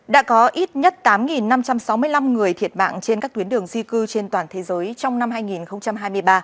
đã có ít nhất tám năm trăm sáu mươi năm người thiệt mạng trên các tuyến đường di cư trên toàn thế giới trong năm hai nghìn hai mươi ba